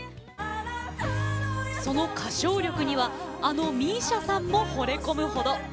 その歌唱力にはあのＭＩＳＩＡさんもほれ込むほど。